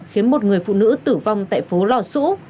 khiến một người phụ nữ tử vong tại phố lò xũ